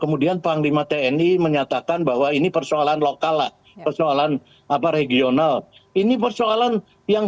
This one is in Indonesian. kemudian panglima tni menyatakan bahwa ini persoalan lokal lah persoalan apa regional ini persoalan yang